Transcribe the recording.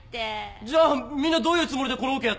じゃあみんなどういうつもりでこのオケやってんだよ？